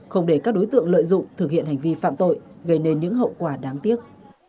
không để các đối tượng lợi dụng thực hiện hành vi phạm tội gây nên những hậu quả đáng tiếc